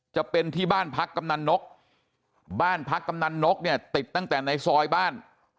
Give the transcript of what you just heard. จะเป็นที่บ้านพักกำนันนกบ้านพักกำนันนกเนี่ยติดตั้งแต่ในซอยบ้าน